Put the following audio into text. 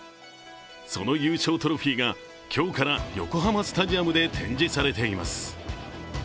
その優勝トロフィーが今日から横浜スタジアムで展示されています。